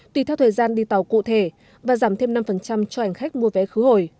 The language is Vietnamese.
tùy theo thời gian đi tẩu cụ thể và giảm thêm năm cho ảnh khách mua vé khứ hồi